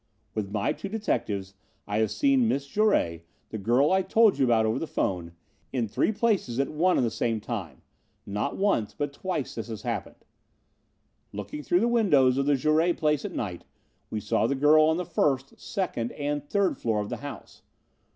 With my two detectives I have seen Miss Jouret, the girl I told you about over the phone, in three places at one and the same time. Not once but twice this has happened. "Looking through the windows of the Jouret place at night, we saw the girl on the first, second and third floor of the house.